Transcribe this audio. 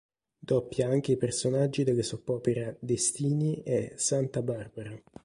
Doppia anche i personaggi delle soap opera "Destini" e "Santa Barbara".